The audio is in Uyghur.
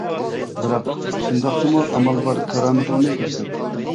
بىراق شۇنداقتىمۇ ئامال بار كارامىتىڭنى كۆرسەت.